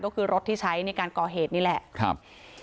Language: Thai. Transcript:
ก็คือรถที่ใช้ในการก่อเหตุนี่แหละครับ